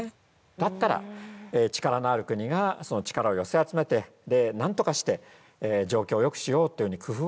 だったら力のある国がその力を寄せ集めてなんとかして状況をよくしようというふうに工夫をすると。